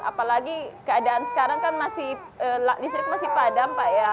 apalagi keadaan sekarang kan listrik masih padam pak ya